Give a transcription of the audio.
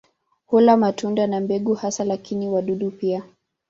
Hula matunda na mbegu hasa, lakini wadudu pia.